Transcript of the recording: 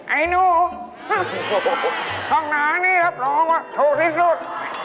ไอ้หนูห้องน้ำนี่รับรองว่าถูกที่สุด